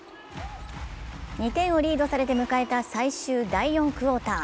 ２点をリードされて迎えた最終第４クオーター。